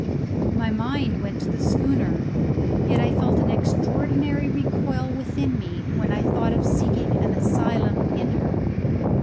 My mind went to the schooner, yet I felt an extraordinary recoil within me when I thought of seeking an asylum in her.